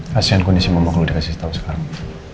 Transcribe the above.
kasian kondisi mama kalau dikasih tahu sekarang